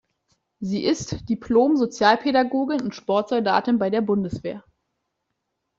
Sie ist Diplom-Sozialpädagogin und Sportsoldatin bei der Bundeswehr.